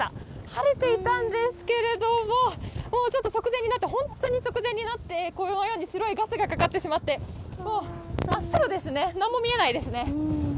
晴れていたんですけれども、もうちょっと直前になって、本当に直前になって、このように、白いガスがかかってしまって、もう真っ白ですね、なんも見えないですね。